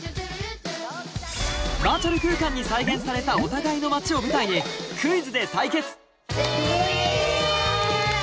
バーチャル空間に再現されたお互いの街を舞台にイエイ！